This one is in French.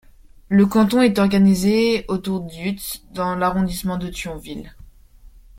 Ce canton est organisé autour d'Yutz dans l'arrondissement de Thionville.